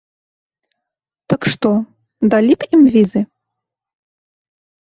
Так што, далі б ім візы?